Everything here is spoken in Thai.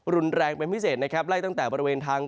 รุนแรงเป็นพิเศษนะครับไล่ตั้งแต่บริเวณทาง